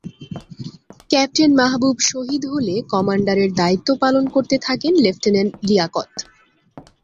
Captain Mahbub শহীদ হলে কমান্ডারের দায়িত্ব পালন করতে থাকেন লেফটেন্যান্ট লিয়াকত।